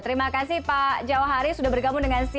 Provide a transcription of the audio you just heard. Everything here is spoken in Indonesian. terima kasih pak jawahari sudah bergabung dengan cn indonesia